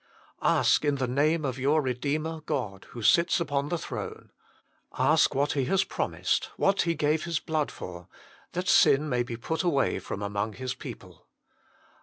Ask in the name of your Redeemer God, who sits upon the throne. Ask what He has promised, what He gave His blood for, that sin may be put away from among His people.